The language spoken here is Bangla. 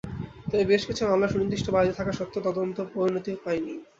তবে বেশ কিছু মামলার সুনির্দিষ্ট বাদী থাকা সত্ত্বেও তদন্ত পরিণতি পায়নি।